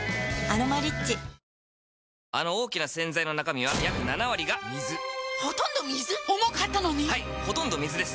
あの大きな洗剤の中身は約７割が水ほとんど水⁉重かったのに⁉はいほとんど水です